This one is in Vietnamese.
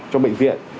cho bệnh viện